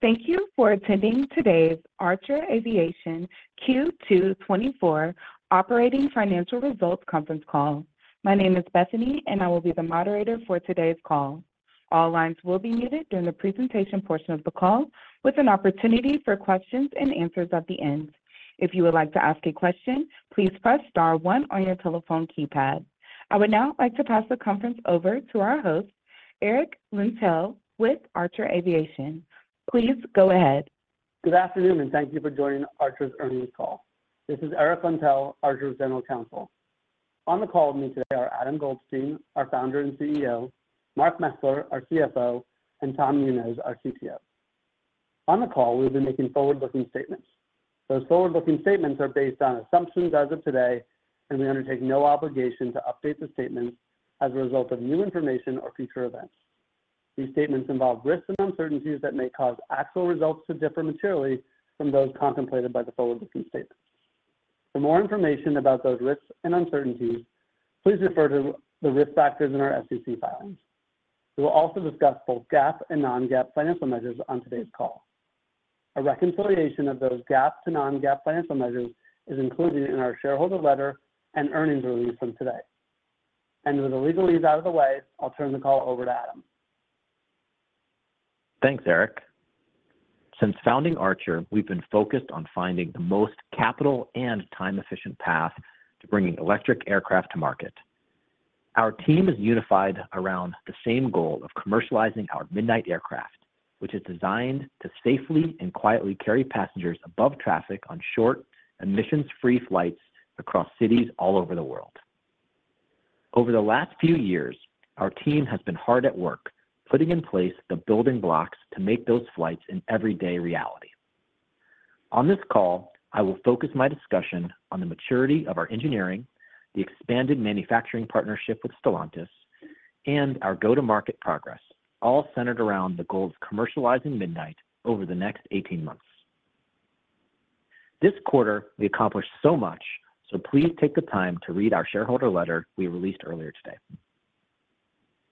Thank you for attending today's Archer Aviation Q2 2024 operating financial results conference call. My name is Bethany, and I will be the moderator for today's call. All lines will be muted during the presentation portion of the call, with an opportunity for questions and answers at the end. If you would like to ask a question, please press star one on your telephone keypad. I would now like to pass the conference over to our host, Eric Lentell, with Archer Aviation. Please go ahead. Good afternoon, and thank you for joining Archer's earnings call. This is Eric Lentell, Archer's General Counsel. On the call with me today are Adam Goldstein, our founder and CEO, Mark Mesler, our CFO, and Tom Muniz, our CTO. On the call, we'll be making forward-looking statements. Those forward-looking statements are based on assumptions as of today, and we undertake no obligation to update the statements as a result of new information or future events. These statements involve risks and uncertainties that may cause actual results to differ materially from those contemplated by the forward-looking statements. For more information about those risks and uncertainties, please refer to the risk factors in our SEC filings. We will also discuss both GAAP and non-GAAP financial measures on today's call. A reconciliation of those GAAP to non-GAAP financial measures is included in our shareholder letter and earnings release from today. With the legalese out of the way, I'll turn the call over to Adam. Thanks, Eric. Since founding Archer, we've been focused on finding the most capital and time-efficient path to bringing electric aircraft to market. Our team is unified around the same goal of commercializing our Midnight aircraft, which is designed to safely and quietly carry passengers above traffic on short emissions-free flights across cities all over the world. Over the last few years, our team has been hard at work putting in place the building blocks to make those flights an everyday reality. On this call, I will focus my discussion on the maturity of our engineering, the expanded manufacturing partnership with Stellantis, and our go-to-market progress, all centered around the goal of commercializing Midnight over the next 18 months. This quarter, we accomplished so much, so please take the time to read our shareholder letter we released earlier today.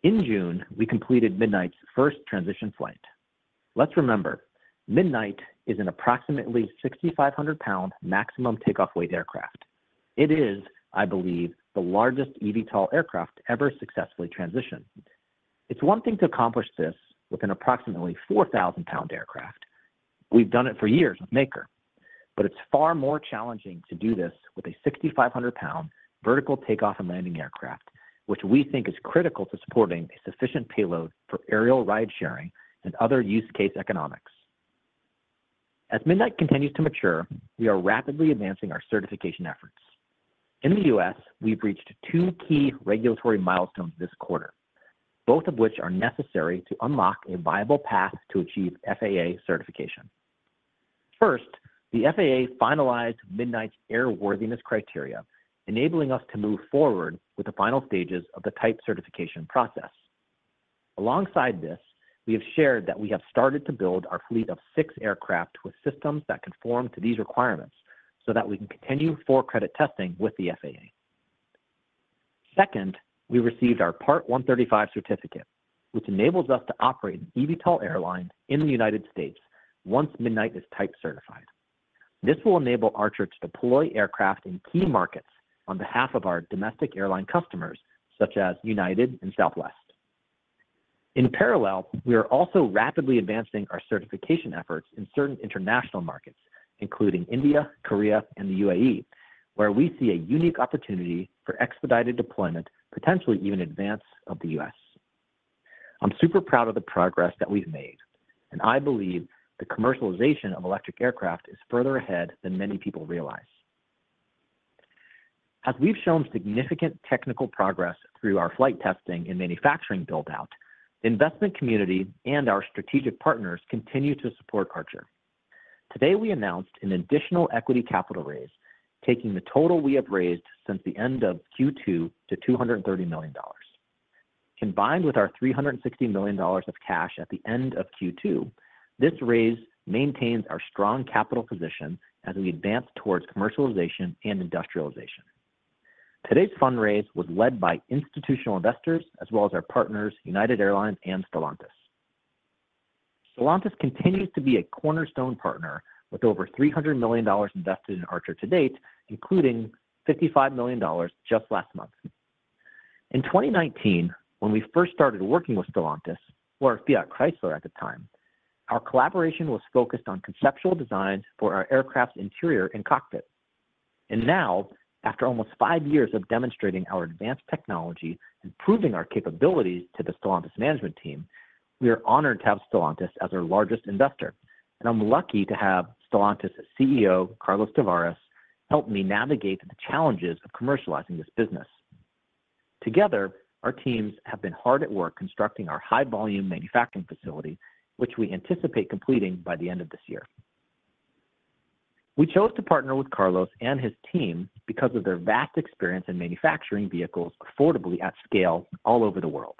In June, we completed Midnight's first transition flight. Let's remember, Midnight is an approximately 6,500-pound maximum takeoff weight aircraft. It is, I believe, the largest eVTOL aircraft ever successfully transitioned. It's one thing to accomplish this with an approximately 4,000-pound aircraft. We've done it for years with Maker, but it's far more challenging to do this with a 6,500-pound vertical takeoff and landing aircraft, which we think is critical to supporting a sufficient payload for aerial ride-sharing and other use case economics. As Midnight continues to mature, we are rapidly advancing our certification efforts. In the U.S., we've reached two key regulatory milestones this quarter, both of which are necessary to unlock a viable path to achieve FAA certification. First, the FAA finalized Midnight's airworthiness criteria, enabling us to move forward with the final stages of the type certification process. Alongside this, we have shared that we have started to build our fleet of six aircraft with systems that conform to these requirements so that we can continue for-credit testing with the FAA. Second, we received our Part 135 certificate, which enables us to operate an eVTOL airline in the United States once Midnight is type certified. This will enable Archer to deploy aircraft in key markets on behalf of our domestic airline customers, such as United and Southwest. In parallel, we are also rapidly advancing our certification efforts in certain international markets, including India, Korea, and the UAE, where we see a unique opportunity for expedited deployment, potentially even in advance of the U.S. I'm super proud of the progress that we've made, and I believe the commercialization of electric aircraft is further ahead than many people realize. As we've shown significant technical progress through our flight testing and manufacturing build-out, the investment community and our strategic partners continue to support Archer. Today, we announced an additional equity capital raise, taking the total we have raised since the end of Q2 to $230 million. Combined with our $360 million of cash at the end of Q2, this raise maintains our strong capital position as we advance towards commercialization and industrialization. Today's fundraise was led by institutional investors as well as our partners, United Airlines and Stellantis. Stellantis continues to be a cornerstone partner with over $300 million invested in Archer to date, including $55 million just last month. In 2019, when we first started working with Stellantis, or Fiat Chrysler at the time, our collaboration was focused on conceptual designs for our aircraft's interior and cockpit. Now, after almost five years of demonstrating our advanced technology and proving our capabilities to the Stellantis management team, we are honored to have Stellantis as our largest investor, and I'm lucky to have Stellantis CEO Carlos Tavares help me navigate the challenges of commercializing this business. Together, our teams have been hard at work constructing our high-volume manufacturing facility, which we anticipate completing by the end of this year. We chose to partner with Carlos and his team because of their vast experience in manufacturing vehicles affordably at scale all over the world.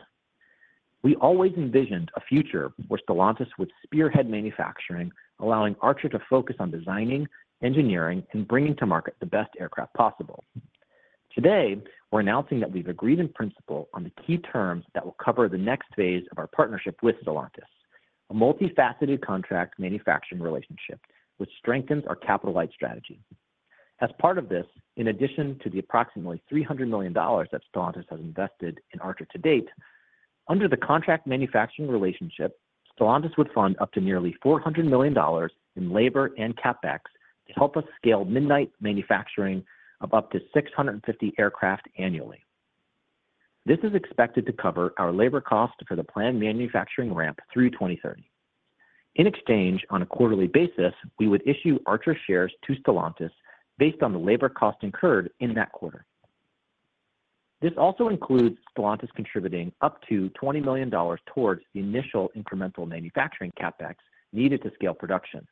We always envisioned a future where Stellantis would spearhead manufacturing, allowing Archer to focus on designing, engineering, and bringing to market the best aircraft possible.... Today, we're announcing that we've agreed in principle on the key terms that will cover the next phase of our partnership with Stellantis, a multifaceted contract manufacturing relationship which strengthens our capital-light strategy. As part of this, in addition to the approximately $300 million that Stellantis has invested in Archer to date, under the contract manufacturing relationship, Stellantis would fund up to nearly $400 million in labor and CapEx to help us scale Midnight manufacturing of up to 650 aircraft annually. This is expected to cover our labor cost for the planned manufacturing ramp through 2030. In exchange, on a quarterly basis, we would issue Archer shares to Stellantis based on the labor cost incurred in that quarter. This also includes Stellantis contributing up to $20 million towards the initial incremental manufacturing CapEx needed to scale production.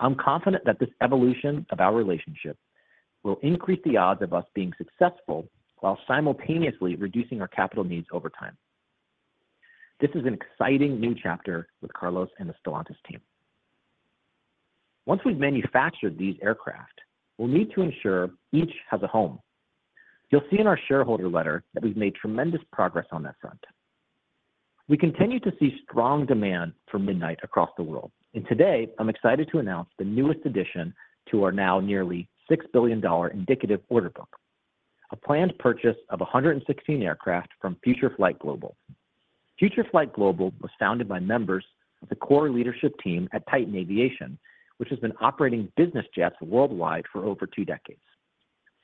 I'm confident that this evolution of our relationship will increase the odds of us being successful while simultaneously reducing our capital needs over time. This is an exciting new chapter with Carlos and the Stellantis team. Once we've manufactured these aircraft, we'll need to ensure each has a home. You'll see in our shareholder letter that we've made tremendous progress on that front. We continue to see strong demand for Midnight across the world, and today I'm excited to announce the newest addition to our now nearly $6 billion indicative order book: a planned purchase of 116 aircraft from Future Flight Global. Future Flight Global was founded by members of the core leadership team at Titan Aviation, which has been operating business jets worldwide for over two decades.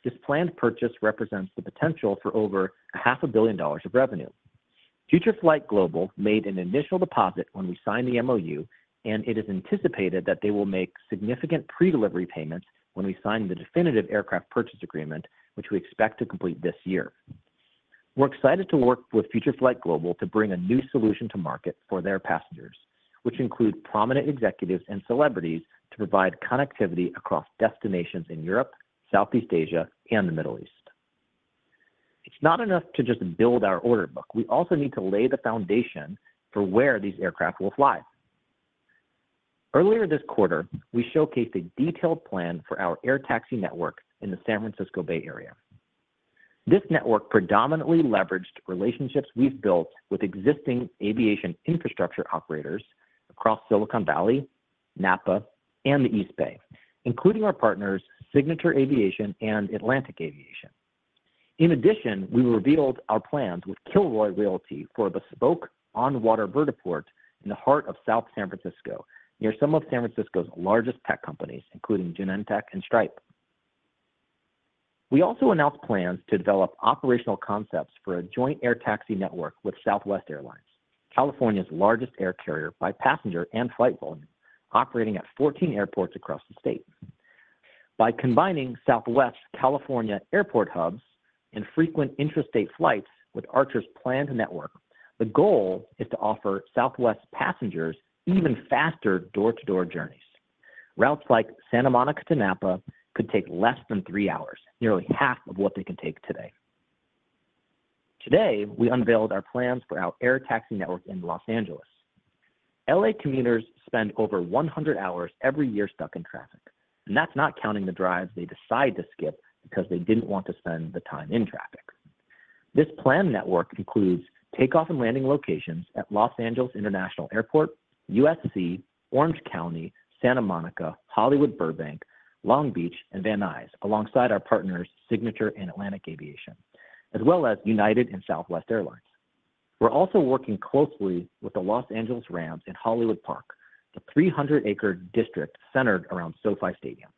This planned purchase represents the potential for over $500 million of revenue. Future Flight Global made an initial deposit when we signed the MOU, and it is anticipated that they will make significant pre-delivery payments when we sign the definitive aircraft purchase agreement, which we expect to complete this year. We're excited to work with Future Flight Global to bring a new solution to market for their passengers, which include prominent executives and celebrities, to provide connectivity across destinations in Europe, Southeast Asia, and the Middle East. It's not enough to just build our order book. We also need to lay the foundation for where these aircraft will fly. Earlier this quarter, we showcased a detailed plan for our air taxi network in the San Francisco Bay Area. This network predominantly leveraged relationships we've built with existing aviation infrastructure operators across Silicon Valley, Napa, and the East Bay, including our partners, Signature Aviation and Atlantic Aviation. In addition, we revealed our plans with Kilroy Realty for a bespoke on-water vertiport in the heart of South San Francisco, near some of San Francisco's largest tech companies, including Genentech and Stripe. We also announced plans to develop operational concepts for a joint air taxi network with Southwest Airlines, California's largest air carrier by passenger and flight volume, operating at 14 airports across the state. By combining Southwest's California airport hubs and frequent intrastate flights with Archer's planned network, the goal is to offer Southwest passengers even faster door-to-door journeys. Routes like Santa Monica to Napa could take less than three hours, nearly half of what they can take today. Today, we unveiled our plans for our air taxi network in Los Angeles. L.A. commuters spend over 100 hours every year stuck in traffic, and that's not counting the drives they decide to skip because they didn't want to spend the time in traffic. This planned network includes takeoff and landing locations at Los Angeles International Airport, USC, Orange County, Santa Monica, Hollywood Burbank, Long Beach, and Van Nuys, alongside our partners, Signature and Atlantic Aviation, as well as United and Southwest Airlines. We're also working closely with the Los Angeles Rams in Hollywood Park, the 300-acre district centered around SoFi Stadium.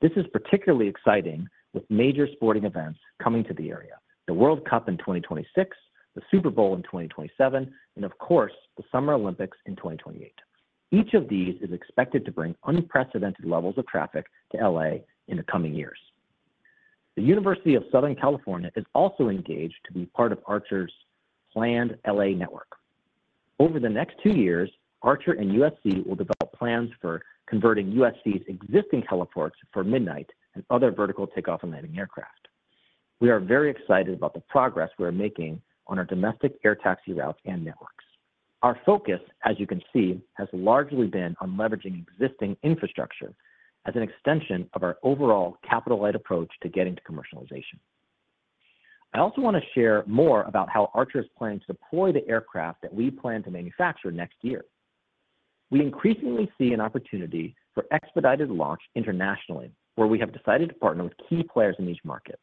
This is particularly exciting with major sporting events coming to the area: the World Cup in 2026, the Super Bowl in 2027, and of course, the Summer Olympics in 2028. Each of these is expected to bring unprecedented levels of traffic to L.A. in the coming years. The University of Southern California is also engaged to be part of Archer's planned LA network. Over the next two years, Archer and USC will develop plans for converting USC's existing heliports for Midnight and other vertical takeoff and landing aircraft. We are very excited about the progress we are making on our domestic air taxi routes and networks. Our focus, as you can see, has largely been on leveraging existing infrastructure as an extension of our overall capital-light approach to getting to commercialization. I also want to share more about how Archer is planning to deploy the aircraft that we plan to manufacture next year. We increasingly see an opportunity for expedited launch internationally, where we have decided to partner with key players in each market.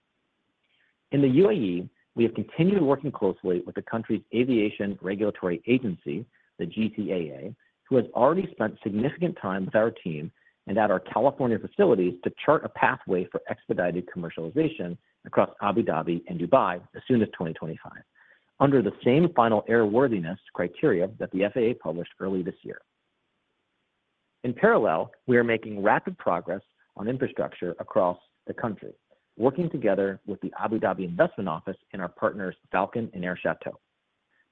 In the UAE, we have continued working closely with the country's aviation regulatory agency, the GCAA, who has already spent significant time with our team and at our California facilities to chart a pathway for expedited commercialization across Abu Dhabi and Dubai as soon as 2025, under the same final airworthiness criteria that the FAA published early this year. In parallel, we are making rapid progress on infrastructure across the country, working together with the Abu Dhabi Investment Office and our partners, Falcon and Air Chateau.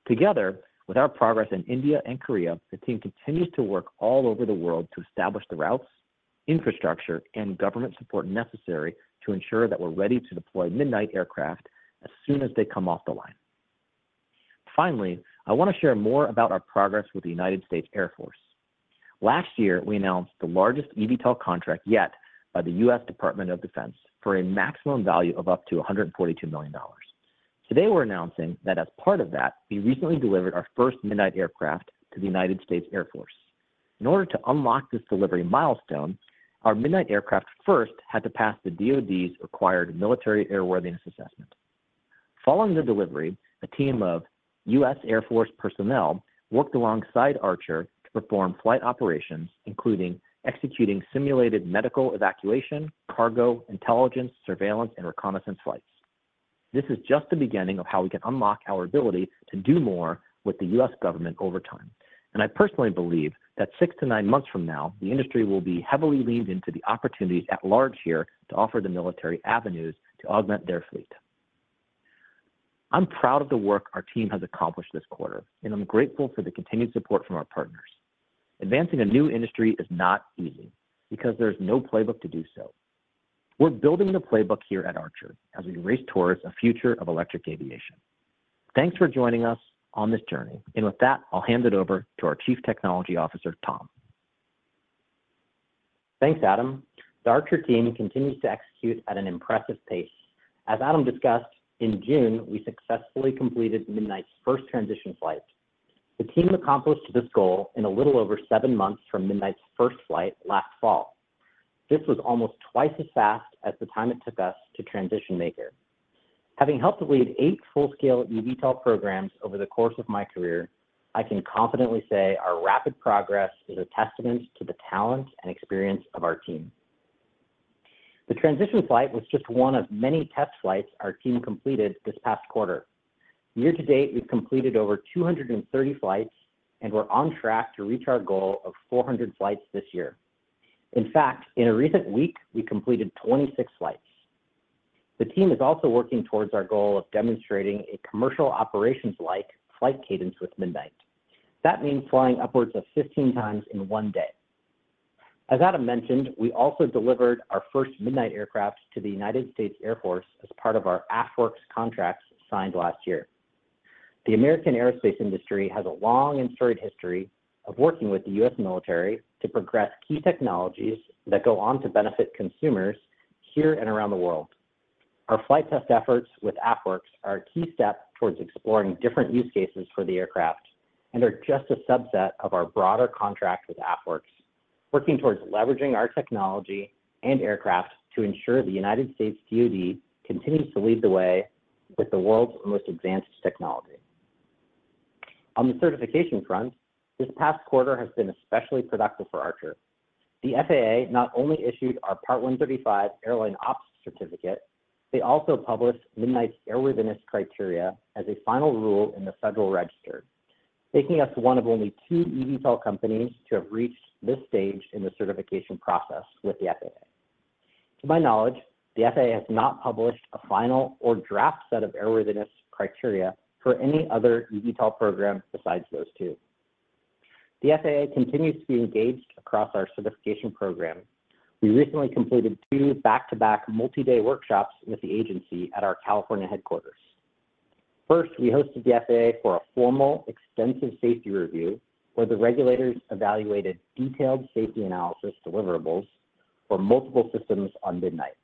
Together, with our progress in India and Korea, the team continues to work all over the world to establish the routes, infrastructure, and government support necessary to ensure that we're ready to deploy Midnight aircraft as soon as they come off the line.... Finally, I want to share more about our progress with the United States Air Force. Last year, we announced the largest eVTOL contract yet by the U.S. Department of Defense for a maximum value of up to $142 million. Today, we're announcing that as part of that, we recently delivered our first Midnight aircraft to the United States Air Force. In order to unlock this delivery milestone, our Midnight aircraft first had to pass the DoD's required military airworthiness assessment. Following the delivery, a team of U.S. Air Force personnel worked alongside Archer to perform flight operations, including executing simulated medical evacuation, cargo, intelligence, surveillance, and reconnaissance flights. This is just the beginning of how we can unlock our ability to do more with the U.S. government over time. And I personally believe that 6-9 months from now, the industry will be heavily leaned into the opportunities at large here to offer the military avenues to augment their fleet. I'm proud of the work our team has accomplished this quarter, and I'm grateful for the continued support from our partners. Advancing a new industry is not easy because there's no playbook to do so. We're building the playbook here at Archer as we race towards a future of electric aviation. Thanks for joining us on this journey, and with that, I'll hand it over to our Chief Technology Officer, Tom. Thanks, Adam. The Archer team continues to execute at an impressive pace. As Adam discussed, in June, we successfully completed Midnight's first transition flight. The team accomplished this goal in a little over 7 months from Midnight's first flight last fall. This was almost twice as fast as the time it took us to transition Maker. Having helped to lead 8 full-scale eVTOL programs over the course of my career, I can confidently say our rapid progress is a testament to the talent and experience of our team. The transition flight was just one of many test flights our team completed this past quarter. Year to date, we've completed over 230 flights, and we're on track to reach our goal of 400 flights this year. In fact, in a recent week, we completed 26 flights. The team is also working towards our goal of demonstrating a commercial operations-like flight cadence with Midnight. That means flying upwards of 15 times in one day. As Adam mentioned, we also delivered our first Midnight aircraft to the United States Air Force as part of our AFWERX contracts signed last year. The American aerospace industry has a long and storied history of working with the U.S. military to progress key technologies that go on to benefit consumers here and around the world. Our flight test efforts with AFWERX are a key step towards exploring different use cases for the aircraft and are just a subset of our broader contract with AFWERX, working towards leveraging our technology and aircraft to ensure the United States DoD continues to lead the way with the world's most advanced technology. On the certification front, this past quarter has been especially productive for Archer. The FAA not only issued our Part 135 Airline Ops certificate, they also published Midnight's Airworthiness Criteria as a final rule in the Federal Register, making us one of only 2 eVTOL companies to have reached this stage in the certification process with the FAA. To my knowledge, the FAA has not published a final or draft set of Airworthiness Criteria for any other eVTOL program besides those 2. The FAA continues to be engaged across our certification program. We recently completed 2 back-to-back multi-day workshops with the agency at our California headquarters. First, we hosted the FAA for a formal, extensive safety review, where the regulators evaluated detailed safety analysis deliverables for multiple systems on Midnight.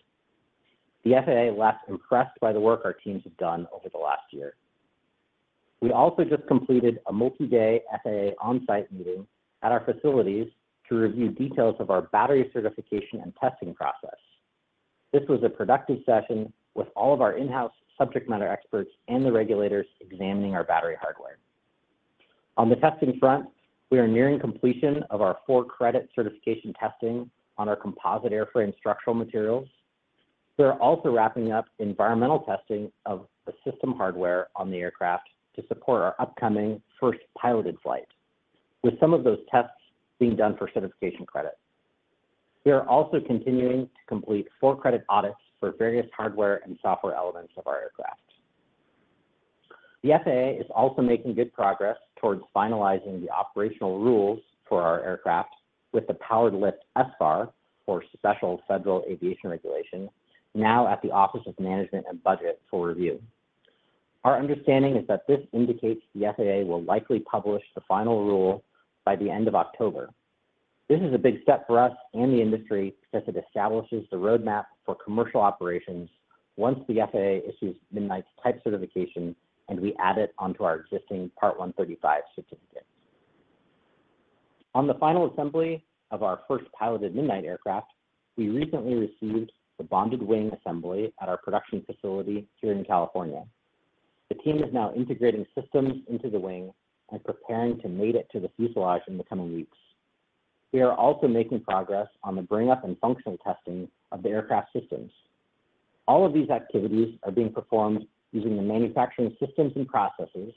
The FAA left impressed by the work our teams have done over the last year. We also just completed a multi-day FAA on-site meeting at our facilities to review details of our battery certification and testing process. This was a productive session with all of our in-house subject matter experts and the regulators examining our battery hardware. On the testing front, we are nearing completion of our for-credit certification testing on our composite airframe structural materials. We are also wrapping up environmental testing of the system hardware on the aircraft to support our upcoming first piloted flight, with some of those tests being done focertification credit. We are also continuing to complete for-credit audits for various hardware and software elements of our aircraft. The FAA is also making good progress towards finalizing the operational rules for our aircraft with the Powered Lift SFAR, or Special Federal Aviation Regulation, now at the Office of Management and Budget for review. Our understanding is that this indicates the FAA will likely publish the final rule by the end of October. This is a big step for us and the industry because it establishes the roadmap for commercial operations once the FAA issues Midnight's type certification, and we add it onto our existing Part 135 certificate. On the final assembly of our first piloted Midnight aircraft, we recently received the bonded wing assembly at our production facility here in California. The team is now integrating systems into the wing and preparing to mate it to the fuselage in the coming weeks. We are also making progress on the bring-up and functional testing of the aircraft systems. All of these activities are being performed using the manufacturing systems and processes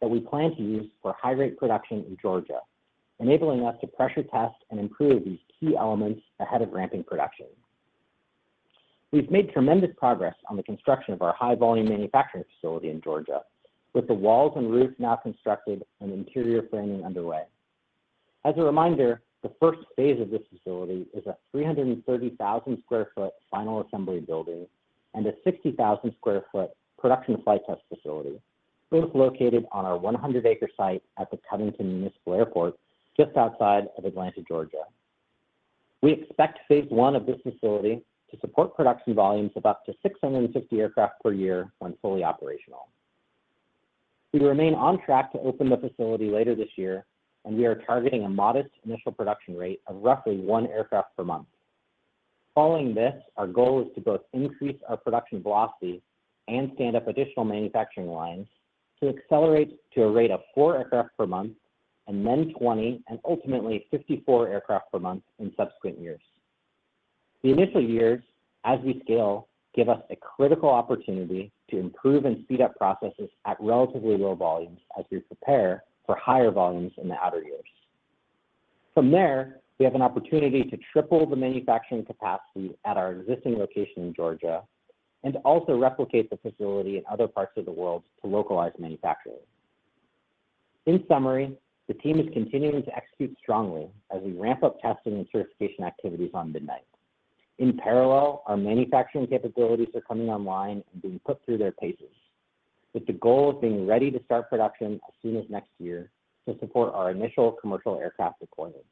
that we plan to use for high-rate production in Georgia, enabling us to pressure test and improve these key elements ahead of ramping production. We've made tremendous progress on the construction of our high-volume manufacturing facility in Georgia, with the walls and roof now constructed and interior framing underway. As a reminder, the first phase of this facility is a 330,000 sq ft final assembly building and a 60,000 sq ft production flight test facility, both located on our 100-acre site at the Covington Municipal Airport, just outside of Atlanta, Georgia. We expect phase one of this facility to support production volumes of up to 660 aircraft per year when fully operational. We remain on track to open the facility later this year, and we are targeting a modest initial production rate of roughly 1 aircraft per month. Following this, our goal is to both increase our production velocity and stand up additional manufacturing lines to accelerate to a rate of 4 aircraft per month, and then 20, and ultimately 54 aircraft per month in subsequent years. The initial years, as we scale, give us a critical opportunity to improve and speed up processes at relatively low volumes as we prepare for higher volumes in the outer years. From there, we have an opportunity to triple the manufacturing capacity at our existing location in Georgia and also replicate the facility in other parts of the world to localize manufacturing. In summary, the team is continuing to execute strongly as we ramp up testing and certification activities on Midnight. In parallel, our manufacturing capabilities are coming online and being put through their paces, with the goal of being ready to start production as soon as next year to support our initial commercial aircraft requirements.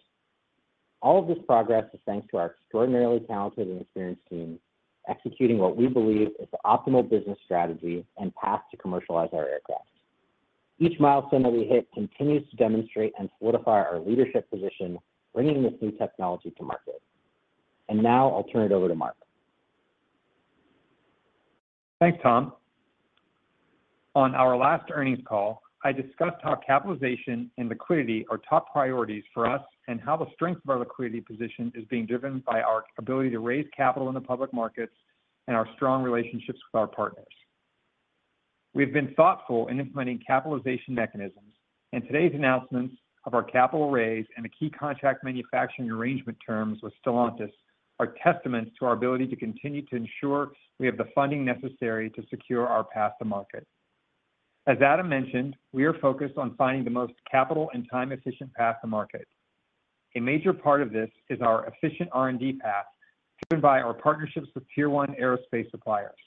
All of this progress is thanks to our extraordinarily talented and experienced team, executing what we believe is the optimal business strategy and path to commercialize our aircraft. Each milestone that we hit continues to demonstrate and solidify our leadership position, bringing this new technology to market. Now I'll turn it over to Mark. Thanks, Tom. On our last earnings call, I discussed how capitalization and liquidity are top priorities for us, and how the strength of our liquidity position is being driven by our ability to raise capital in the public markets and our strong relationships with our partners. We've been thoughtful in implementing capitalization mechanisms, and today's announcements of our capital raise and the key contract manufacturing arrangement terms with Stellantis are testament to our ability to continue to ensure we have the funding necessary to secure our path to market. As Adam mentioned, we are focused on finding the most capital and time-efficient path to market. A major part of this is our efficient R&D path, driven by our partnerships with tier one aerospace suppliers.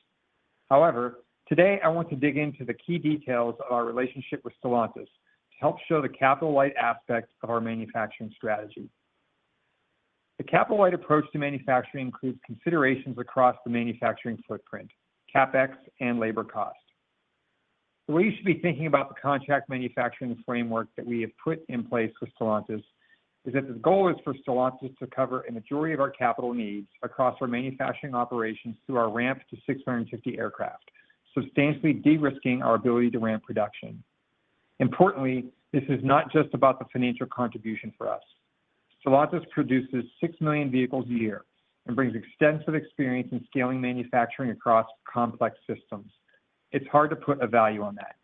However, today I want to dig into the key details of our relationship with Stellantis to help show the capital-light aspect of our manufacturing strategy. The capital-light approach to manufacturing includes considerations across the manufacturing footprint, CapEx, and labor cost. The way you should be thinking about the contract manufacturing framework that we have put in place with Stellantis is that the goal is for Stellantis to cover a majority of our capital needs across our manufacturing operations through our ramp to 650 aircraft, substantially de-risking our ability to ramp production. Importantly, this is not just about the financial contribution for us. Stellantis produces 6 million vehicles a year and brings extensive experience in scaling manufacturing across complex systems. It's hard to put a value on that.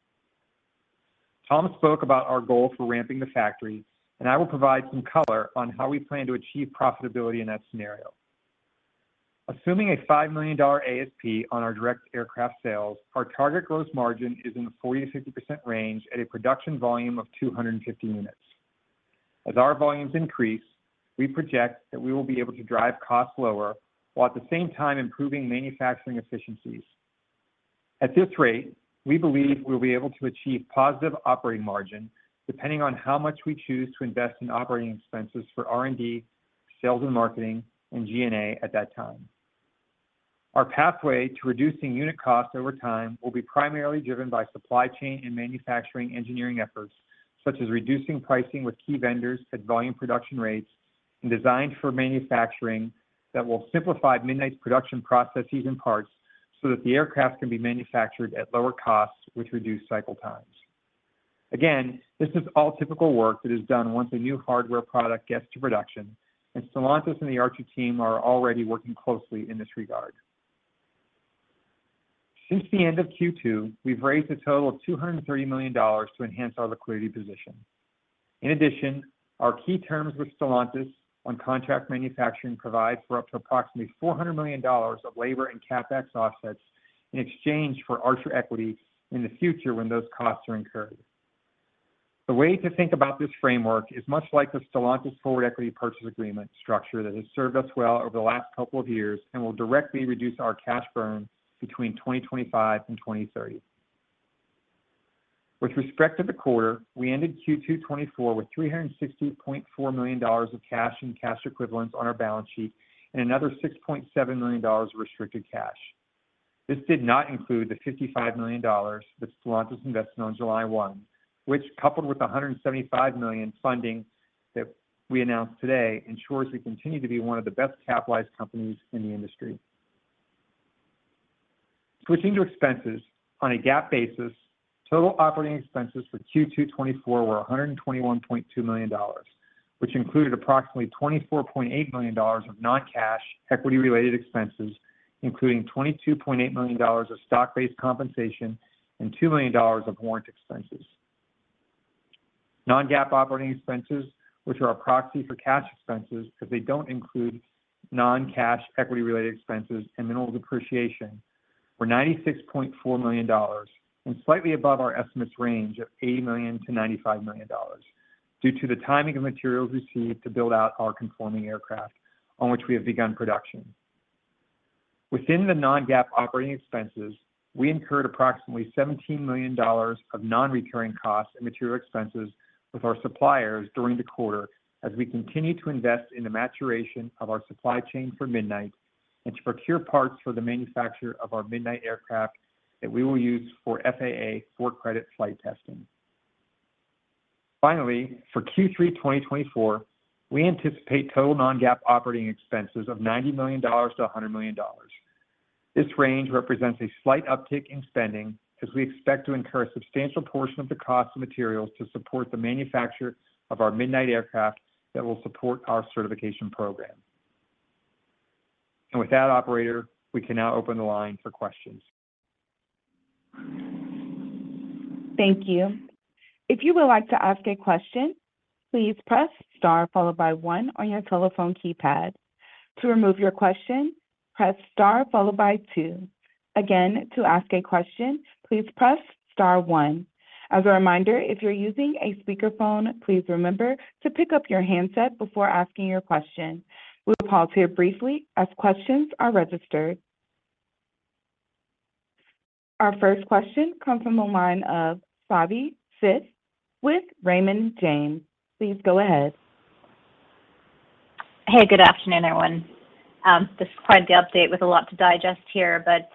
Tom spoke about our goal for ramping the factory, and I will provide some color on how we plan to achieve profitability in that scenario. Assuming a $5 million ASP on our direct aircraft sales, our target gross margin is in the 40%-50% range at a production volume of 250 units. As our volumes increase, we project that we will be able to drive costs lower, while at the same time improving manufacturing efficiencies. At this rate, we believe we'll be able to achieve positive operating margin, depending on how much we choose to invest in operating expenses for R&D, sales and marketing, and G&A at that time. Our pathway to reducing unit costs over time will be primarily driven by supply chain and manufacturing engineering efforts, such as reducing pricing with key vendors at volume production rates and design for manufacturing that will simplify Midnight's production processes and parts so that the aircraft can be manufactured at lower costs, which reduce cycle times. Again, this is all typical work that is done once a new hardware product gets to production, and Stellantis and the Archer team are already working closely in this regard. Since the end of Q2, we've raised a total of $230 million to enhance our liquidity position. In addition, our key terms with Stellantis on contract manufacturing provide for up to approximately $400 million of labor and CapEx offsets in exchange for Archer equity in the future when those costs are incurred. The way to think about this framework is much like the Stellantis forward equity purchase agreement structure that has served us well over the last couple of years and will directly reduce our cash burn between 2025 and 2030. With respect to the quarter, we ended Q2 2024 with $360.4 million of cash and cash equivalents on our balance sheet and another $6.7 million of restricted cash. This did not include the $55 million that Stellantis invested on July one, which, coupled with the $175 million funding that we announced today, ensures we continue to be one of the best-capitalized companies in the industry. Switching to expenses, on a GAAP basis, total operating expenses for Q2 2024 were $121.2 million, which included approximately $24.8 million of non-cash, equity-related expenses, including $22.8 million of stock-based compensation and $2 million of warrant expenses. Non-GAAP operating expenses, which are our proxy for cash expenses because they don't include non-cash equity-related expenses and mineral depreciation-... were $96.4 million, and slightly above our estimates range of $80 million-$95 million, due to the timing of materials received to build out our conforming aircraft, on which we have begun production. Within the non-GAAP operating expenses, we incurred approximately $17 million of non-recurring costs and material expenses with our suppliers during the quarter as we continue to invest in the maturation of our supply chain for Midnight and to procure parts for the manufacture of our Midnight aircraft that we will use for FAA cert flight testing. Finally, for Q3 2024, we anticipate total non-GAAP operating expenses of $90 million-$100 million. This range represents a slight uptick in spending as we expect to incur a substantial portion of the cost of materials to support the manufacture of our Midnight aircraft that will support our certification program. With that, operator, we can now open the line for questions. Thank you. If you would like to ask a question, please press Star followed by one on your telephone keypad. To remove your question, press Star followed by two. Again, to ask a question, please press Star one. As a reminder, if you're using a speakerphone, please remember to pick up your handset before asking your question. We'll pause here briefly as questions are registered. Our first question comes from the line of Savi Syth with Raymond James. Please go ahead. Hey, good afternoon, everyone. This is quite the update with a lot to digest here, but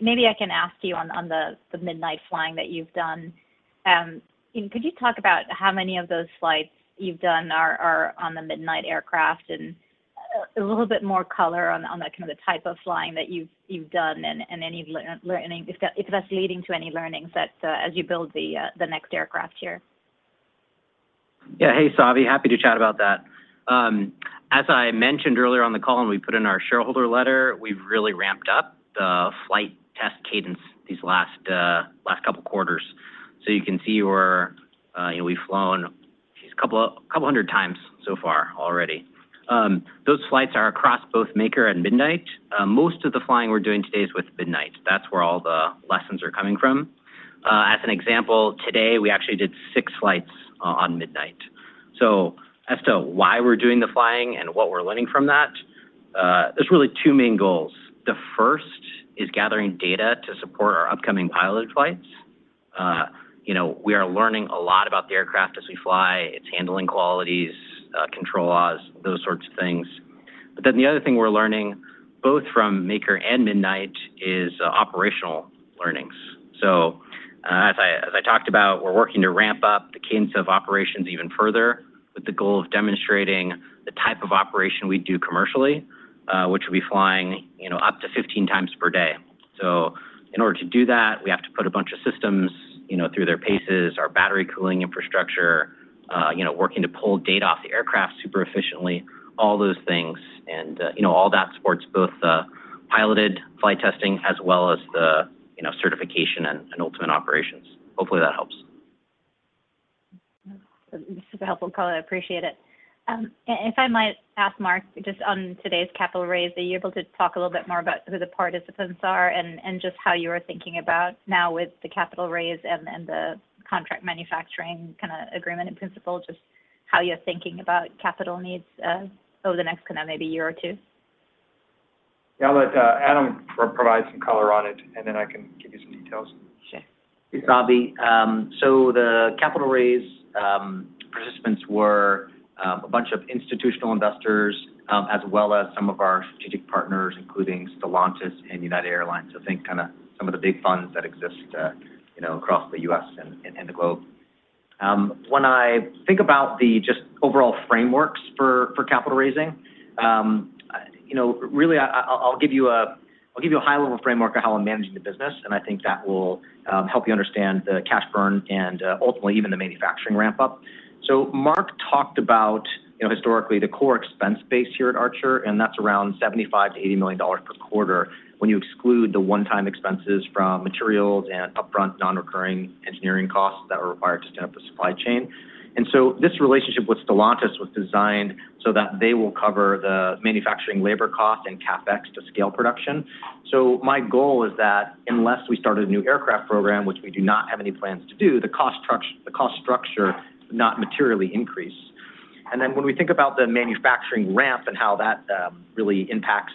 maybe I can ask you on the Midnight flying that you've done. Could you talk about how many of those flights you've done are on the Midnight aircraft? And a little bit more color on the kind of the type of flying that you've done and any learning. If that's leading to any learnings that as you build the next aircraft here. Yeah. Hey, Savi. Happy to chat about that. As I mentioned earlier on the call, and we put in our shareholder letter, we've really ramped up the flight test cadence these last couple quarters. So you can see we're, you know, we've flown a couple hundred times so far already. Those flights are across both Maker and Midnight. Most of the flying we're doing today is with Midnight. That's where all the lessons are coming from. As an example, today, we actually did six flights on Midnight. So as to why we're doing the flying and what we're learning from that, there's really two main goals. The first is gathering data to support our upcoming pilot flights. You know, we are learning a lot about the aircraft as we fly, its handling qualities, control laws, those sorts of things. But then the other thing we're learning, both from Maker and Midnight, is operational learnings. So, as I, as I talked about, we're working to ramp up the cadence of operations even further, with the goal of demonstrating the type of operation we do commercially, which will be flying, you know, up to 15 times per day. So in order to do that, we have to put a bunch of systems, you know, through their paces, our battery cooling infrastructure, you know, working to pull data off the aircraft super efficiently, all those things. And, you know, all that supports both the piloted flight testing as well as the, you know, certification and ultimate operations. Hopefully, that helps. Super helpful, color, I appreciate it. If I might ask Mark, just on today's capital raise, are you able to talk a little bit more about who the participants are and just how you are thinking about now with the capital raise and the contract manufacturing kind of agreement in principle, just how you're thinking about capital needs over the next kind of maybe year or two? Yeah. I'll let Adam provide some color on it, and then I can give you some details. Sure. Hey, Savi. So the capital raise, participants were, a bunch of institutional investors, as well as some of our strategic partners, including Stellantis and United Airlines. So I think kind of some of the big funds that exist, you know, across the U.S. and, and the globe. When I think about the just overall frameworks for, for capital raising, you know, really, I, I'll give you a high-level framework of how I'm managing the business, and I think that will, help you understand the cash burn and, ultimately, even the manufacturing ramp-up. So Mark talked about, you know, historically, the core expense base here at Archer, and that's around $75 million-$80 million per quarter when you exclude the one-time expenses from materials and upfront non-recurring engineering costs that were required to stand up the supply chain. And so this relationship with Stellantis was designed so that they will cover the manufacturing labor costs and CapEx to scale production. So my goal is that unless we start a new aircraft program, which we do not have any plans to do, the cost structure not materially increase. And then when we think about the manufacturing ramp and how that really impacts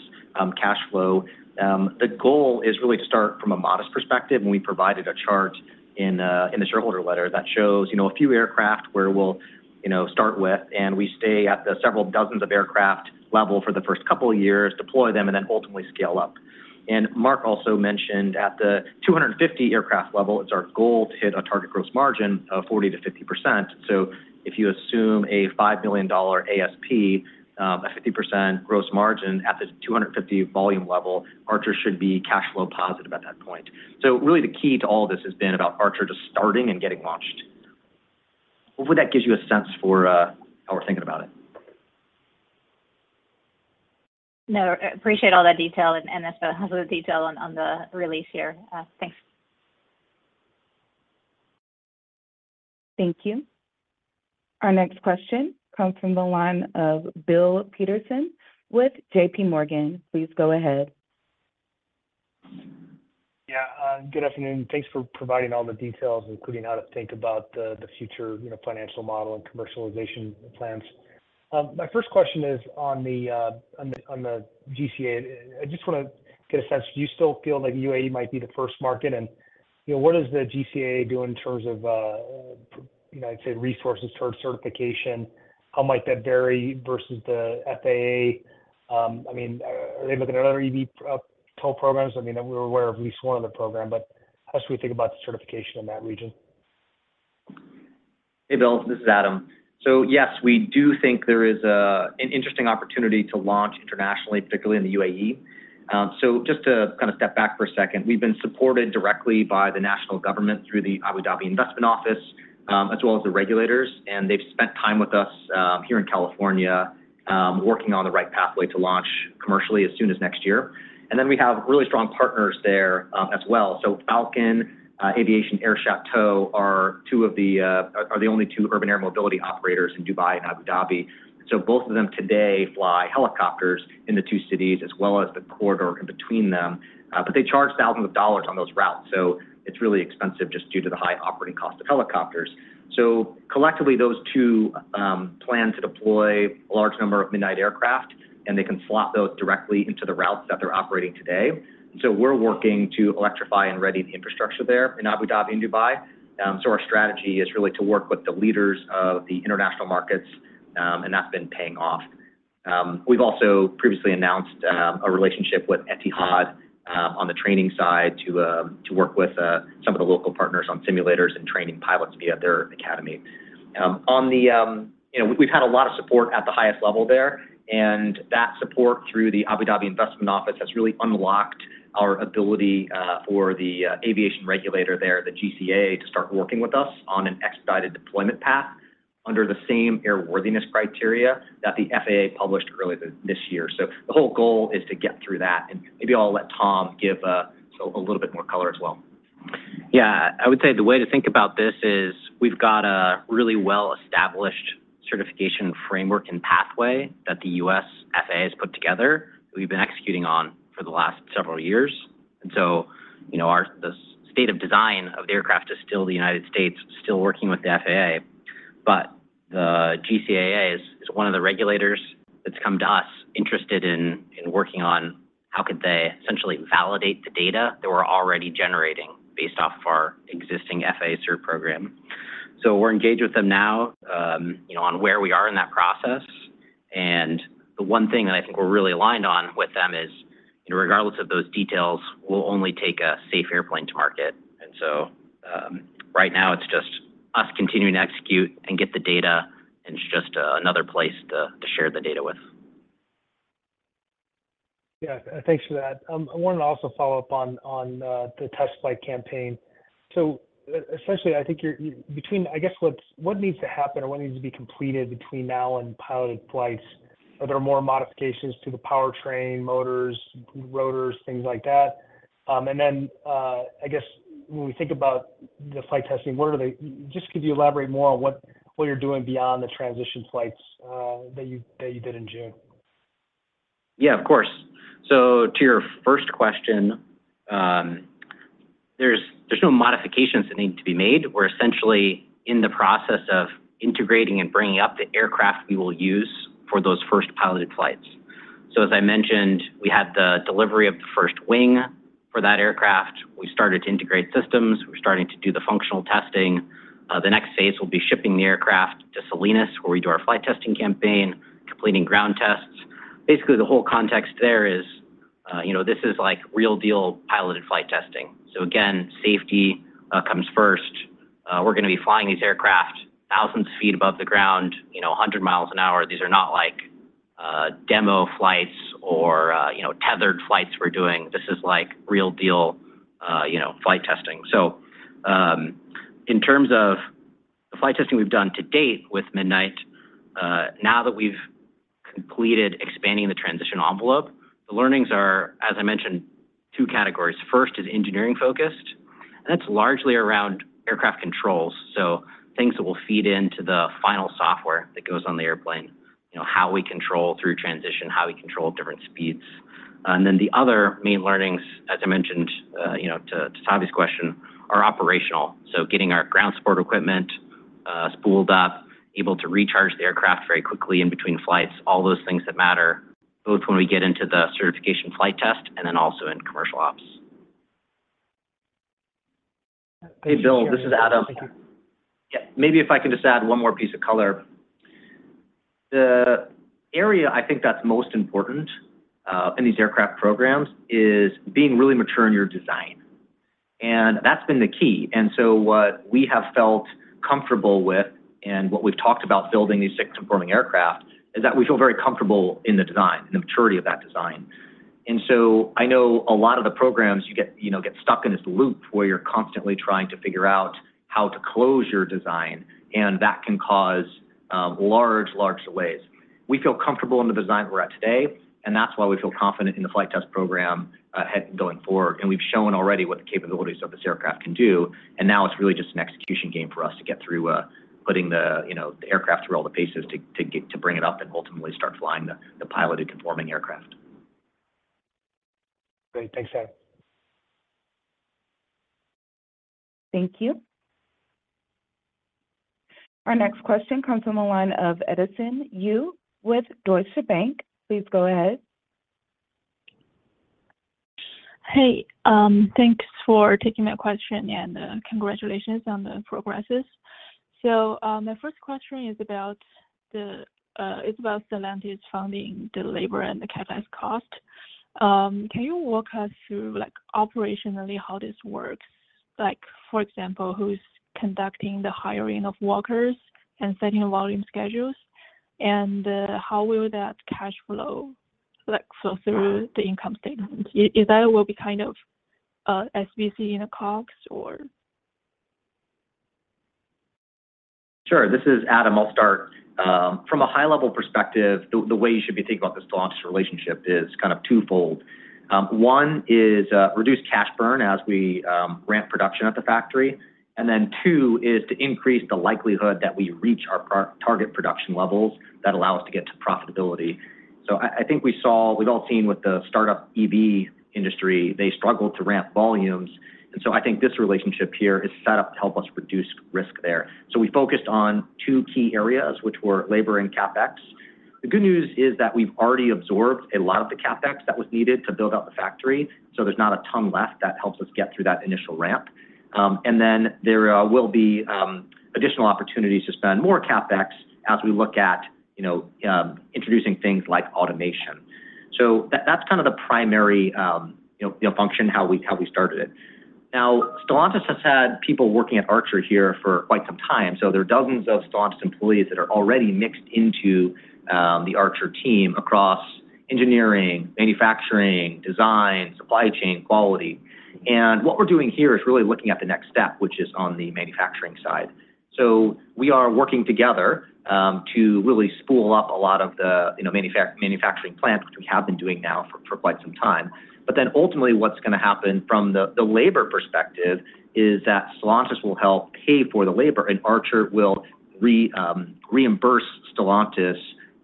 cash flow, the goal is really to start from a modest perspective, and we provided a chart in the shareholder letter that shows, you know, a few aircraft where we'll, you know, start with, and we stay at the several dozens of aircraft level for the first couple of years, deploy them, and then ultimately scale up. Mark also mentioned at the 250 aircraft level, it's our goal to hit a target gross margin of 40%-50%. So if you assume a $5 million ASP, a 50% gross margin at the 250 volume level, Archer should be cash flow positive at that point. So really, the key to all this has been about Archer just starting and getting launched. Hopefully, that gives you a sense for how we're thinking about it. No, appreciate all that detail and also the detail on the release here. Thanks. Thank you. Our next question comes from the line of Bill Peterson with JPMorgan. Please go ahead. Yeah, good afternoon. Thanks for providing all the details, including how to think about the future, you know, financial model and commercialization plans. My first question is on the GCAA. I just wanna get a sense, do you still feel like UAE might be the first market? And, you know, what is the GCAA doing in terms of, you know, I'd say, resources towards certification? How might that vary versus the FAA? I mean, are they looking at other eVTOL programs? I mean, we're aware of at least one other program, but how should we think about the certification in that region? Hey, Bill, this is Adam. So yes, we do think there is an interesting opportunity to launch internationally, particularly in the UAE. So just to kind of step back for a second, we've been supported directly by the national government through the Abu Dhabi Investment Office, as well as the regulators, and they've spent time with us, here in California, working on the right pathway to launch commercially as soon as next year. And then we have really strong partners there, as well. So Falcon Aviation, Air Chateau are the only two urban air mobility operators in Dubai and Abu Dhabi. So both of them today fly helicopters in the two cities, as well as the corridor in between them, but they charge thousands of dollars on those routes, so it's really expensive just due to the high operating cost of helicopters. So collectively, those two plan to deploy a large number of Midnight aircraft, and they can slot those directly into the routes that they're operating today. So we're working to electrify and ready the infrastructure there in Abu Dhabi and Dubai. So our strategy is really to work with the leaders of the international markets, and that's been paying off. We've also previously announced a relationship with Etihad on the training side to work with some of the local partners on simulators and training pilots via their academy. On the... You know, we've had a lot of support at the highest level there, and that support through the Abu Dhabi Investment Office has really unlocked our ability for the aviation regulator there, the GCAA, to start working with us on an expedited deployment path under the same airworthiness criteria that the FAA published earlier this year. So the whole goal is to get through that, and maybe I'll let Tom give so a little bit more color as well. Yeah. I would say the way to think about this is we've got a really well-established certification framework and pathway that the U.S. FAA has put together that we've been executing on for the last several years. And so, you know, the state of design of the aircraft is still the United States, still working with the FAA. But the GCAA is one of the regulators that's come to us interested in working on how could they essentially validate the data that we're already generating based off of our existing FAA cert program. So we're engaged with them now, you know, on where we are in that process, and the one thing that I think we're really aligned on with them is, you know, regardless of those details, we'll only take a safe airplane to market. And so, right now it's just us continuing to execute and get the data, and it's just another place to share the data with. Yeah. Thanks for that. I wanted to also follow up on the test flight campaign. So essentially, I think you're... Between, I guess, what needs to happen or what needs to be completed between now and piloted flights? Are there more modifications to the powertrain, motors, rotors, things like that? And then, I guess when we think about the flight testing, where do they just could you elaborate more on what you're doing beyond the transition flights that you did in June? Yeah, of course. So to your first question, there's no modifications that need to be made. We're essentially in the process of integrating and bringing up the aircraft we will use for those first piloted flights. So as I mentioned, we had the delivery of the first wing for that aircraft. We started to integrate systems. We're starting to do the functional testing. The next phase will be shipping the aircraft to Salinas, where we do our flight testing campaign, completing ground tests. Basically, the whole context there is, you know, this is like real-deal piloted flight testing. So again, safety comes first. We're gonna be flying these aircraft thousands of feet above the ground, you know, 100 mi an hour. These are not like demo flights or, you know, tethered flights we're doing. This is like real deal, you know, flight testing. So, in terms of the flight testing we've done to date with Midnight, now that we've completed expanding the transition envelope, the learnings are, as I mentioned, two categories. First is engineering focused, and that's largely around aircraft controls, so things that will feed into the final software that goes on the airplane. You know, how we control through transition, how we control different speeds. And then the other main learnings, as I mentioned, you know, to, to Savi's question, are operational. So getting our ground support equipment, spooled up, able to recharge the aircraft very quickly in between flights, all those things that matter, both when we get into the certification flight test and then also in commercial ops. Hey, Bill, this is Adam. Thank you. Yeah. Maybe if I can just add one more piece of color. The area I think that's most important in these aircraft programs is being really mature in your design, and that's been the key. And so what we have felt comfortable with and what we've talked about building these six conforming aircraft, is that we feel very comfortable in the design and the maturity of that design. And so I know a lot of the programs you get, you know, get stuck in this loop where you're constantly trying to figure out how to close your design, and that can cause large, large delays. We feel comfortable in the design we're at today, and that's why we feel confident in the flight test program heading forward. We've shown already what the capabilities of this aircraft can do, and now it's really just an execution game for us to get through, putting the, you know, the aircraft through all the paces to, to get, to bring it up and ultimately start flying the, the piloted conforming aircraft. Great. Thanks, Adam. Thank you. Our next question comes from the line of Edison Yu with Deutsche Bank. Please go ahead. Hey, thanks for taking my question, and, congratulations on the progresses. So, my first question is about the Stellantis funding, the labor, and the CapEx cost. Can you walk us through, like, operationally, how this works? Like, for example, who's conducting the hiring of workers and setting volume schedules, and, how will that cash flow, like, flow through the income statement? Is that will be kind of, SBC in a COGS or? Sure. This is Adam. I'll start. From a high-level perspective, the way you should be thinking about the Stellantis relationship is kind of twofold. One is reduce cash burn as we ramp production at the factory, and then two is to increase the likelihood that we reach our target production levels that allow us to get to profitability. So I think we've all seen with the startup EV industry, they struggled to ramp volumes, and so I think this relationship here is set up to help us reduce risk there. So we focused on two key areas, which were labor and CapEx. The good news is that we've already absorbed a lot of the CapEx that was needed to build out the factory, so there's not a ton left. That helps us get through that initial ramp. And then there will be additional opportunities to spend more CapEx as we look at, you know, introducing things like automation. So that's kind of the primary, you know, you know, function, how we, how we started it. Now, Stellantis has had people working at Archer here for quite some time, so there are dozens of Stellantis employees that are already mixed into the Archer team across engineering, manufacturing, design, supply chain, quality. And what we're doing here is really looking at the next step, which is on the manufacturing side. So we are working together to really spool up a lot of the, you know, manufacturing plants, which we have been doing now for quite some time. But then ultimately, what's gonna happen from the labor perspective is that Stellantis will help pay for the labor, and Archer will reimburse Stellantis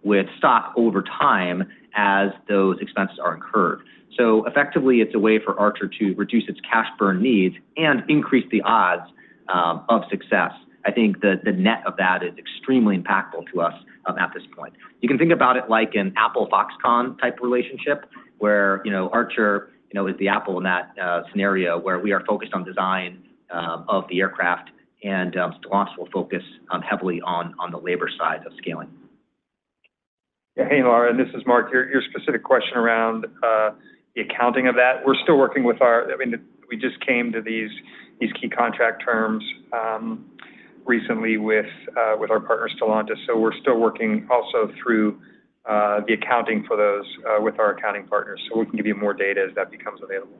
with stock over time as those expenses are incurred. So effectively, it's a way for Archer to reduce its cash burn needs and increase the odds of success. I think the net of that is extremely impactful to us at this point. You can think about it like an Apple-Foxconn-type relationship, where, you know, Archer, you know, is the Apple in that scenario, where we are focused on design of the aircraft, and Stellantis will focus heavily on the labor side of scaling. Yeah. Hey, Edison, this is Mark. Your specific question around the accounting of that, we're still working with our... I mean, we just came to these key contract terms recently with our partner, Stellantis, so we're still working also through the accounting for those with our accounting partners. So we can give you more data as that becomes available.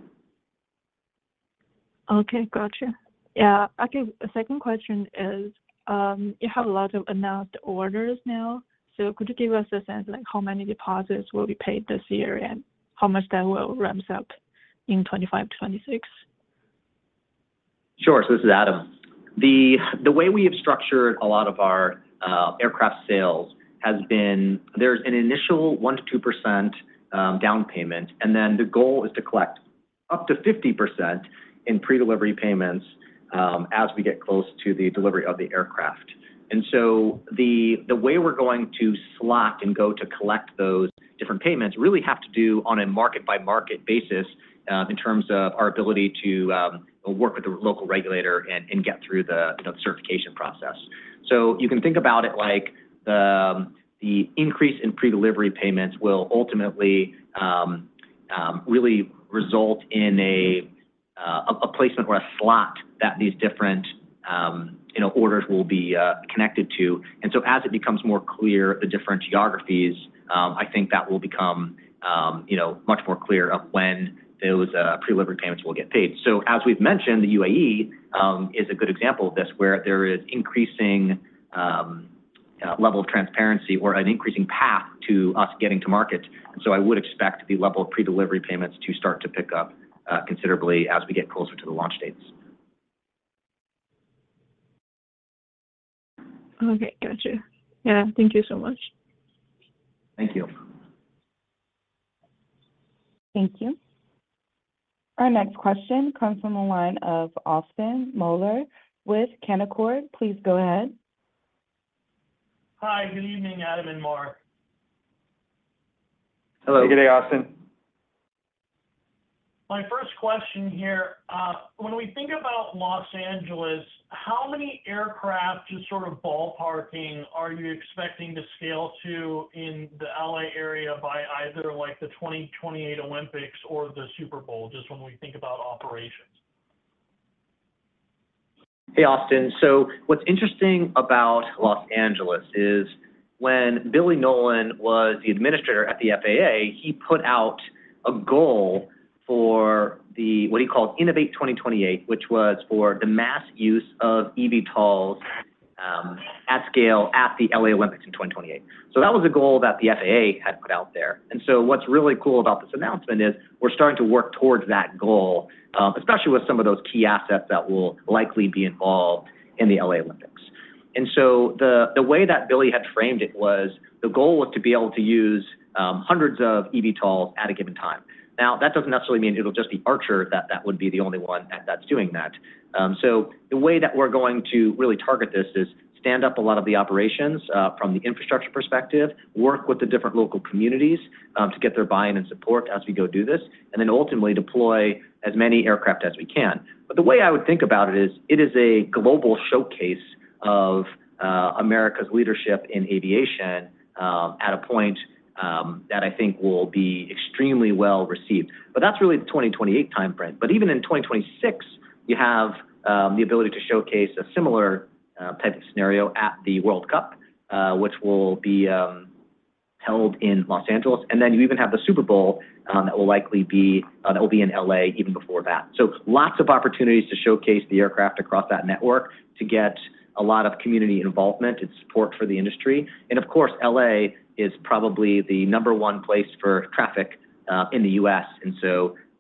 Okay, gotcha. Yeah, okay, the second question is, you have a lot of announced orders now, so could you give us a sense, like how many deposits will be paid this year, and how much that will ramps up in 25, 26? Sure. So this is Adam. The way we have structured a lot of our aircraft sales has been—there's an initial 1-2% down payment, and then the goal is to collect up to 50% in pre-delivery payments as we get close to the delivery of the aircraft. And so the way we're going to slot and go to collect those different payments really have to do on a market-by-market basis in terms of our ability to work with the local regulator and get through the certification process. So you can think about it like the increase in pre-delivery payments will ultimately really result in a placement or a slot that these different, you know, orders will be connected to. And so as it becomes more clear, the different geographies, I think that will become, you know, much more clear of when those pre-delivery payments will get paid. So as we've mentioned, the UAE is a good example of this, where there is increasing level of transparency or an increasing path to us getting to market. And so I would expect the level of pre-delivery payments to start to pick up considerably as we get closer to the launch dates. Okay, gotcha. Yeah, thank you so much. Thank you. Thank you. Our next question comes from the line of Austin Moeller with Canaccord. Please go ahead. Hi, good evening, Adam and Mark. Hello. Good day, Austin. My first question here, when we think about Los Angeles, how many aircraft, just sort of ballparking, are you expecting to scale to in the LA area by either, like, the 2028 Olympics or the Super Bowl, just when we think about operations? Hey, Austin. So what's interesting about Los Angeles is when Billy Nolen was the administrator at the FAA, he put out a goal for the, what he called Innovate 2028, which was for the mass use of eVTOLs at scale at the L.A. Olympics in 2028. So that was a goal that the FAA had put out there. And so what's really cool about this announcement is we're starting to work towards that goal, especially with some of those key assets that will likely be involved in the L.A. Olympics. And so the way that Billy had framed it was the goal was to be able to use hundreds of eVTOLs at a given time. Now, that doesn't necessarily mean it'll just be Archer, that that would be the only one that's doing that. So the way that we're going to really target this is stand up a lot of the operations, from the infrastructure perspective, work with the different local communities, to get their buy-in and support as we go do this, and then ultimately deploy as many aircraft as we can. But the way I would think about it is, it is a global showcase of, America's leadership in aviation, at a point, that I think will be extremely well received. But that's really the 2028 time frame. But even in 2026, you have, the ability to showcase a similar, type of scenario at the World Cup, which will be, held in Los Angeles, and then you even have the Super Bowl, that will likely be, that will be in LA even before that. Lots of opportunities to showcase the aircraft across that network to get a lot of community involvement and support for the industry. Of course, L.A. is probably the number one place for traffic in the U.S., and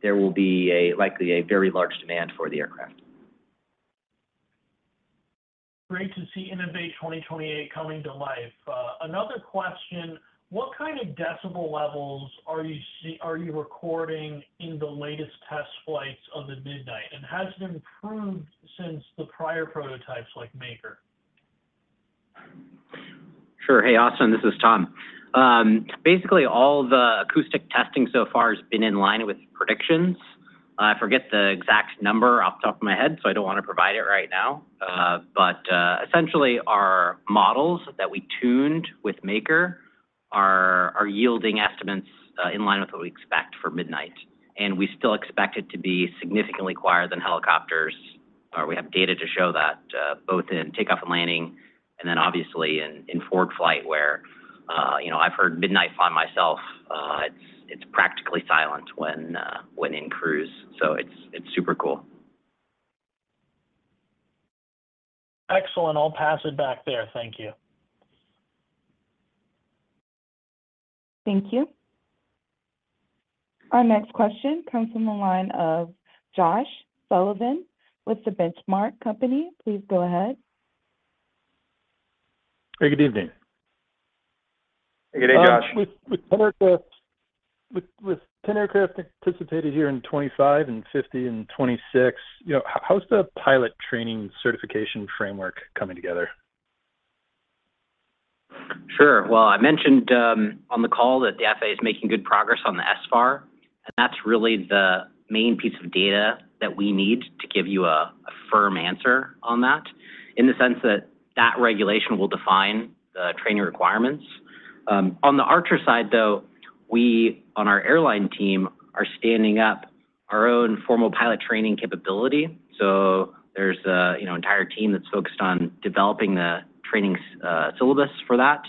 there will be likely a very large demand for the aircraft. Great to see Innovate 2028 coming to life. Another question: What kind of decibel levels are you recording in the latest test flights of the Midnight? And has it improved since the prior prototypes, like Maker? Sure. Hey, Austin, this is Tom. Basically, all the acoustic testing so far has been in line with predictions. I forget the exact number off the top of my head, so I don't want to provide it right now. But essentially, our models that we tuned with Maker are yielding estimates in line with what we expect for Midnight. And we still expect it to be significantly quieter than helicopters. We have data to show that both in takeoff and landing, and then obviously in forward flight, where you know, I've heard Midnight fly myself. It's practically silent when in cruise, so it's super cool. Excellent. I'll pass it back there. Thank you. Thank you. Our next question comes from the line of Josh Sullivan with The Benchmark Company. Please go ahead. Hey, good evening. Hey, good day, Josh. With 10 aircraft anticipated here in 2025 and 50 in 2026, you know, how's the pilot training certification framework coming together? Sure. Well, I mentioned on the call that the FAA is making good progress on the SFAR, and that's really the main piece of data that we need to give you a firm answer on that, in the sense that that regulation will define the training requirements. On the Archer side, though, we, on our airline team, are standing up our own formal pilot training capability. So there's a you know entire team that's focused on developing the training syllabus for that,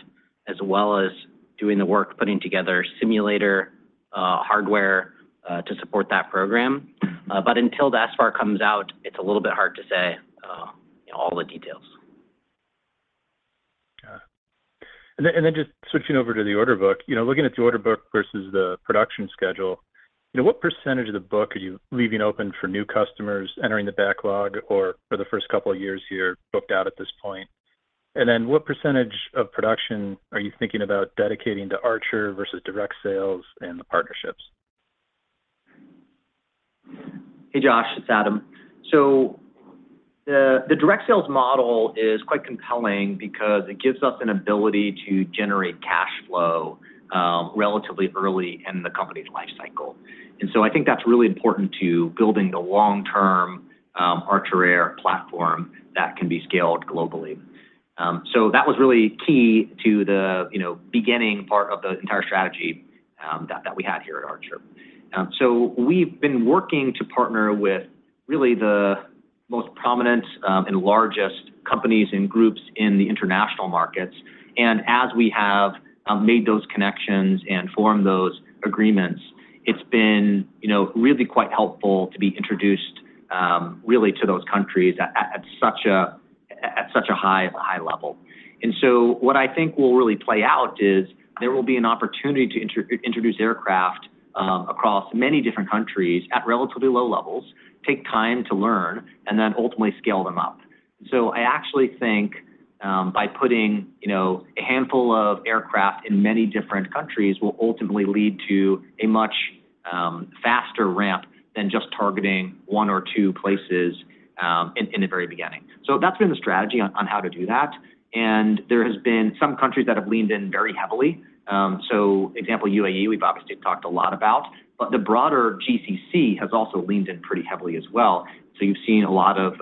as well as doing the work, putting together simulator hardware to support that program. But until the SFAR comes out, it's a little bit hard to say all the details. Got it. And then just switching over to the order book, you know, looking at the order book versus the production schedule, you know, what percentage of the book are you leaving open for new customers entering the backlog or for the first couple of years here, booked out at this point? And then what percentage of production are you thinking about dedicating to Archer versus direct sales and the partnerships? Hey, Josh, it's Adam. So the direct sales model is quite compelling because it gives us an ability to generate cash flow relatively early in the company's life cycle. And so I think that's really important to building a long-term Archer Air platform that can be scaled globally. So that was really key to the you know beginning part of the entire strategy that we had here at Archer. So we've been working to partner with really the most prominent and largest companies and groups in the international markets. And as we have made those connections and formed those agreements, it's been you know really quite helpful to be introduced really to those countries at such a high high level. And so what I think will really play out is there will be an opportunity to introduce aircraft across many different countries at relatively low levels, take time to learn, and then ultimately scale them up. So I actually think, by putting, you know, a handful of aircraft in many different countries will ultimately lead to a much faster ramp than just targeting one or two places in the very beginning. So that's been the strategy on how to do that. And there has been some countries that have leaned in very heavily. So example, UAE, we've obviously talked a lot about, but the broader GCC has also leaned in pretty heavily as well. So you've seen a lot of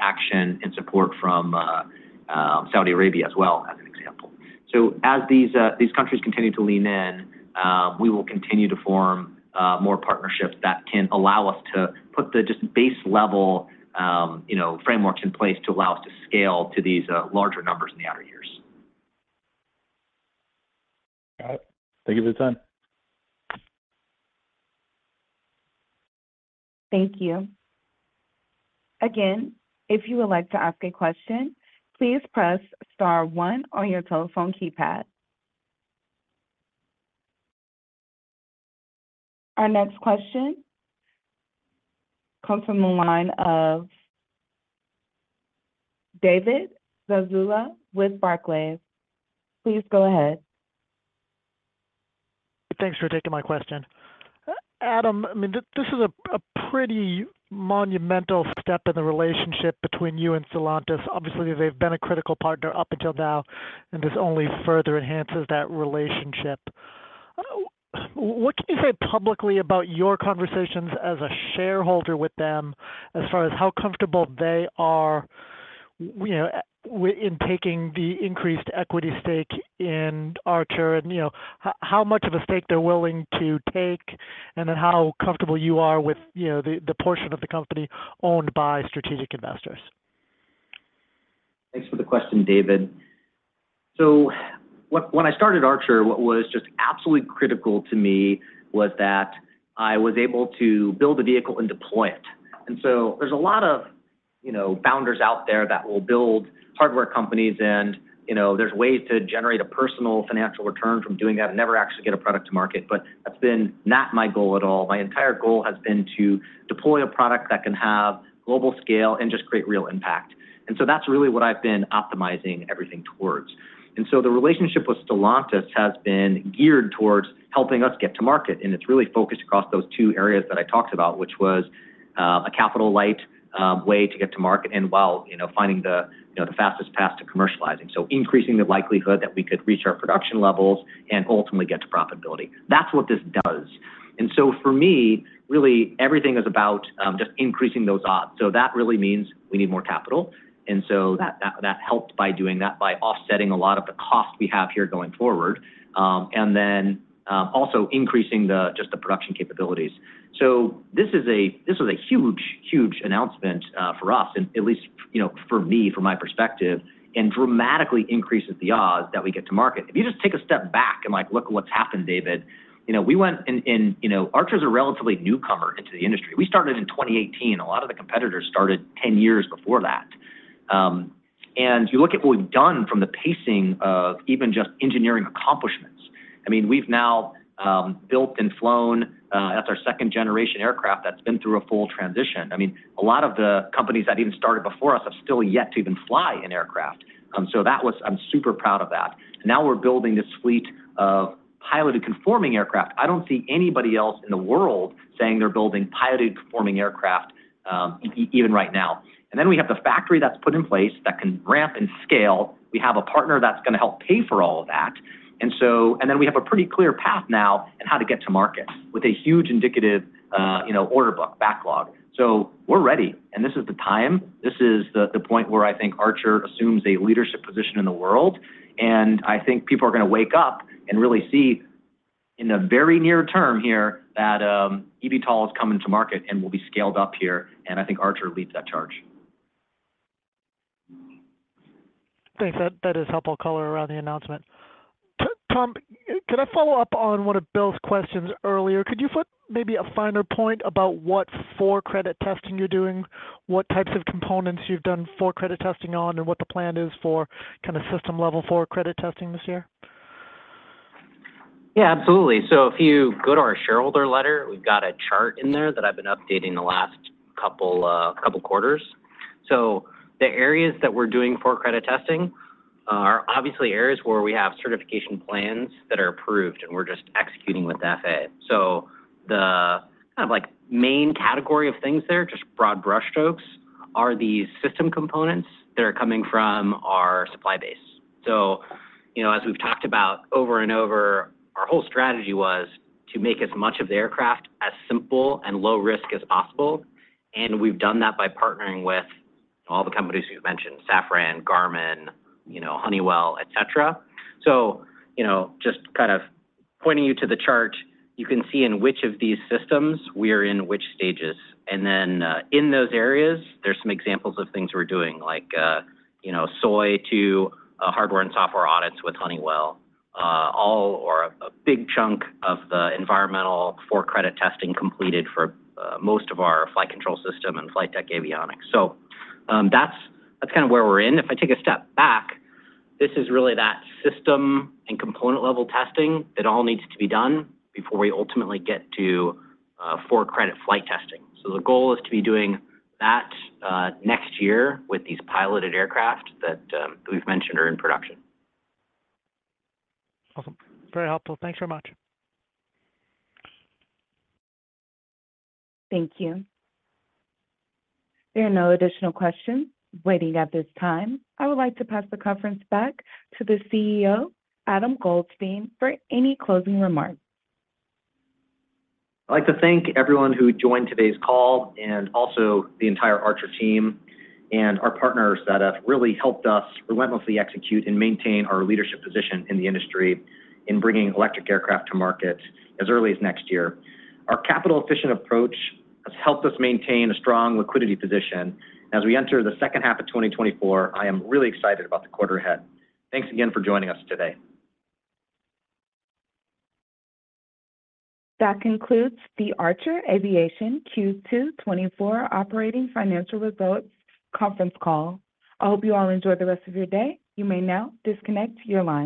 action and support from Saudi Arabia as well, as an example. As these countries continue to lean in, we will continue to form more partnerships that can allow us to put the just base level, you know, frameworks in place to allow us to scale to these larger numbers in the outer years. ... Got it. Thank you for the time. Thank you. Again, if you would like to ask a question, please press star one on your telephone keypad. Our next question comes from the line of David Zazula with Barclays. Please go ahead. Thanks for taking my question. Adam, I mean, this is a pretty monumental step in the relationship between you and Stellantis. Obviously, they've been a critical partner up until now, and this only further enhances that relationship. What can you say publicly about your conversations as a shareholder with them as far as how comfortable they are, you know, in taking the increased equity stake in Archer? And, you know, how much of a stake they're willing to take, and then how comfortable you are with, you know, the portion of the company owned by strategic investors? Thanks for the question, David. So when I started Archer, what was just absolutely critical to me was that I was able to build a vehicle and deploy it. And so there's a lot of, you know, founders out there that will build hardware companies and, you know, there's ways to generate a personal financial return from doing that and never actually get a product to market, but that's been not my goal at all. My entire goal has been to deploy a product that can have global scale and just create real impact. And so that's really what I've been optimizing everything towards. And so the relationship with Stellantis has been geared towards helping us get to market, and it's really focused across those two areas that I talked about, which was, a capital-light way to get to market and while, you know, finding the, you know, the fastest path to commercializing. So increasing the likelihood that we could reach our production levels and ultimately get to profitability. That's what this does. And so for me, really, everything is about, just increasing those odds. So that really means we need more capital, and so that helped by doing that, by offsetting a lot of the cost we have here going forward, and then also increasing just the production capabilities. So this is a, this is a huge, huge announcement for us and at least, you know, for me, from my perspective, and dramatically increases the odds that we get to market. If you just take a step back and, like, look at what's happened, David, you know, Archer's a relatively newcomer into the industry. We started in 2018. A lot of the competitors started 10 years before that. And you look at what we've done from the pacing of even just engineering accomplishments. I mean, we've now built and flown that's our second-generation aircraft that's been through a full transition. I mean, a lot of the companies that even started before us have still yet to even fly an aircraft. So that was. I'm super proud of that. Now we're building this fleet of piloted conforming aircraft. I don't see anybody else in the world saying they're building piloted conforming aircraft, even right now. And then we have the factory that's put in place that can ramp and scale. We have a partner that's gonna help pay for all of that. And so and then we have a pretty clear path now on how to get to market, with a huge indicative, you know, order book backlog. So we're ready, and this is the time. This is the, the point where I think Archer assumes a leadership position in the world, and I think people are gonna wake up and really see, in the very near term here, that, eVTOL is coming to market and will be scaled up here, and I think Archer leads that charge. Thanks. That is helpful color around the announcement. Tom, can I follow up on one of Bill's questions earlier? Could you put maybe a finer point about what for-credit testing you're doing, what types of components you've done for-credit testing on, and what the plan is for kind of system level for-credit testing this year? Yeah, absolutely. So if you go to our shareholder letter, we've got a chart in there that I've been updating the last couple quarters. So the areas that we're doing for-credit testing are obviously areas where we have certification plans that are approved, and we're just executing with the FAA. So the kind of, like, main category of things there, just broad brushstrokes, are the system components that are coming from our supply base. So, you know, as we've talked about over and over, our whole strategy was to make as much of the aircraft as simple and low-risk as possible, and we've done that by partnering with all the companies you've mentioned, Safran, Garmin, you know, Honeywell, et cetera. So, you know, just kind of pointing you to the chart, you can see in which of these systems we are in which stages. Then, in those areas, there's some examples of things we're doing, like, you know, SOI 2 hardware and software audits with Honeywell. All or a big chunk of the environmental for-credit testing completed for most of our flight control system and flight deck avionics. So, that's kind of where we're in. If I take a step back, this is really that system and component-level testing that all needs to be done before we ultimately get to for-credit flight testing. So the goal is to be doing that next year with these piloted aircraft that we've mentioned are in production. Awesome. Very helpful. Thanks very much. Thank you. There are no additional questions waiting at this time. I would like to pass the conference back to the CEO, Adam Goldstein, for any closing remarks. I'd like to thank everyone who joined today's call and also the entire Archer team and our partners that have really helped us relentlessly execute and maintain our leadership position in the industry in bringing electric aircraft to market as early as next year. Our capital-efficient approach has helped us maintain a strong liquidity position. As we enter the second half of 2024, I am really excited about the quarter ahead. Thanks again for joining us today. That concludes the Archer Aviation Q2 2024 operating financial results conference call. I hope you all enjoy the rest of your day. You may now disconnect your lines.